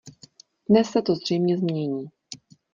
Dnes se to zřejmě změní.